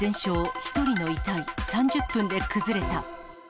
１人の遺体、３０分で崩れた。